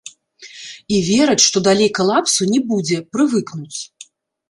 І вераць, што далей калапсу не будзе, прывыкнуць.